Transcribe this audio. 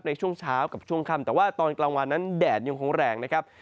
ในช่วงเช้ากับช่วงค่ำแต่ว่าตอนกลางวันนั้นแดดยังคงแรงนะครับ